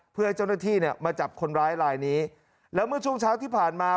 เพื่อให้เจ้าหน้าที่เนี่ยมาจับคนร้ายลายนี้แล้วเมื่อช่วงเช้าที่ผ่านมา